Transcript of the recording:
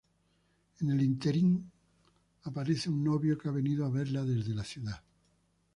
En el ínterin aparece un novio que ha venido a verla desde la ciudad.